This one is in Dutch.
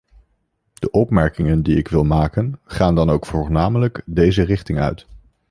De opmerkingen die ik wil maken gaan dan ook voornamelijk deze richting uit.